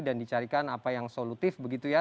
dan dicarikan apa yang solutif begitu ya